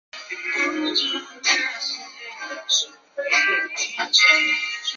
美国国债钟目前设置在美国纽约市曼哈顿区的第六大道上。